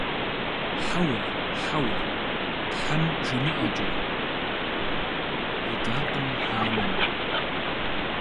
Хьэуэ, хьэуэ, тхьэм жимыӀэкӀэ! – идакъым анэм.